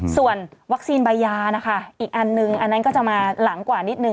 ส่วนวัคซีนใบยานะคะอีกอันนึงอันนั้นก็จะมาหลังกว่านิดนึ